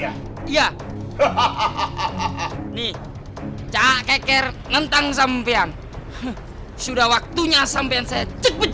hahaha nih cak keker nentang sampean sudah waktunya sampai set set